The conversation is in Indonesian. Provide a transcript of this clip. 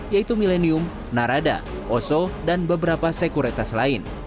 yaitu milenium narada oso dan beberapa sekuritas lain